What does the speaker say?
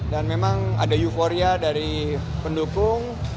dan memang ada euforia dari pendukung